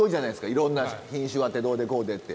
いろんな品種あってどうでこうでって。